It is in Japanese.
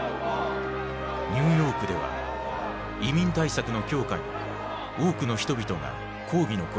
ニューヨークでは移民対策の強化に多くの人々が抗議の声を上げた。